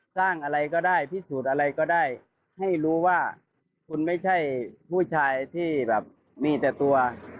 สร้างอะไรก็ได้พิสูจน์อะไรก็ได้ให้รู้ว่าคุณไม่ใช่ผู้ชายที่แบบมีแต่ตัว